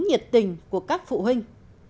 nhiệt tình của các phụ huynh